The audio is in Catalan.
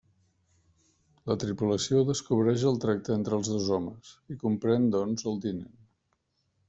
La tripulació descobreix el tracte entre els dos homes i comprèn doncs el tinent.